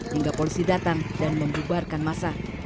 hingga polisi datang dan membubarkan masa